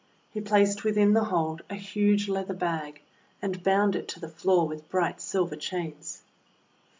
He placed within the hold a huge leather bag, and bound it to the floor with bright silver chains.